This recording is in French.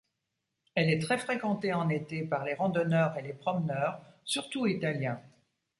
Elle est très fréquentée en été par les randonneurs et les promeneurs, surtout italiens.